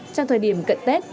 trong thời điểm cận tết